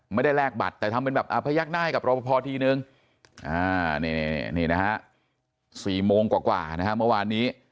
แลกบัตรแต่ทำเป็นแบบพยักหน้าให้กับรอปภทีนึงนี่นะฮะ๔โมงกว่านะฮะเมื่อวานนี้